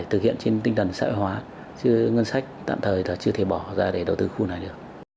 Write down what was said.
thực hiện trên tinh thần xã hội hóa ngân sách tạm thời là chưa thể bỏ ra để đầu tư khu này được